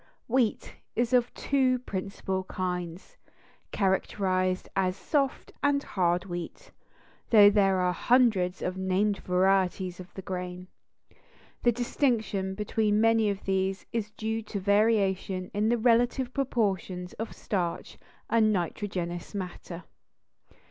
Wheat is of two principal kinds, characterized as soft and hard wheat, though there are hundreds of named varieties of the grain. The distinction between many of these is due to variation in the relative proportions of starch and nitrogenous matter.